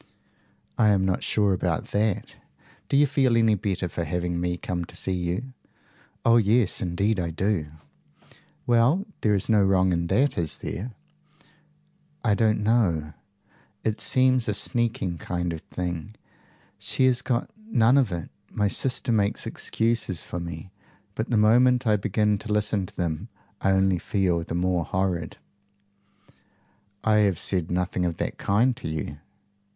"I am not sure about that. Do you feel any better for having me come to see you?" "Oh, yes, indeed I do!" "Well, there is no wrong in that, is there?" "I don't know. It seems a sneaking kind of thing: she has got none of it. My sister makes excuses for me, but the moment I begin to listen to them I only feel the more horrid." "I have said nothing of that kind to you."